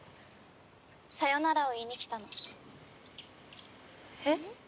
さよならを言いに来たの。えっ？